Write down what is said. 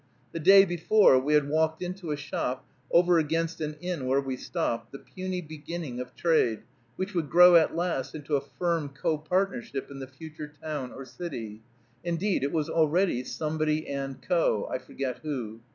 The day before, we had walked into a shop, over against an inn where we stopped, the puny beginning of trade, which would grow at last into a firm copartnership in the future town or city, indeed, it was already "Somebody & Co.," I forget who.